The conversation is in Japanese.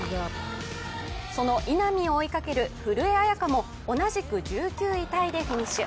その稲見を追いかける古江彩佳も同じく１９位タイでフィニッシュ。